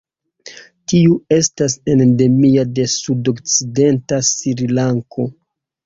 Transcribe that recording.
Tiu estas endemia de sudokcidenta Srilanko.